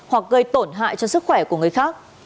hoặc gây tổn hại cho sức khỏe của người khác